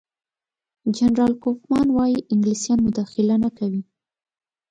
جنرال کوفمان وايي انګلیسان مداخله نه کوي.